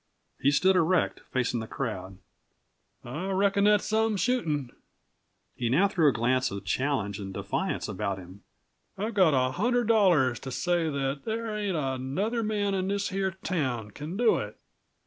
He stood erect, facing the crowd. "I reckon that's some shootin'!" He now threw a glance of challenge and defiance about him. "I've got a hundred dollars to say that there ain't another man in this here town can do it!"